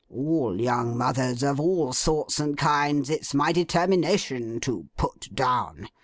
All young mothers, of all sorts and kinds, it's my determination to Put Down.